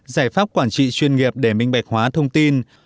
giải pháp quản trị chuyên nghiệp để minh bạch hóa thông tin